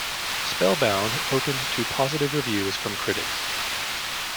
"Spellbound" opened to positive reviews from critics.